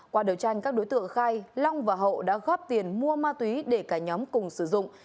qua đấu tranh các đối tượng khai long và hậu đã góp tiền mua ma túy để cả nhóm cùng sử dụng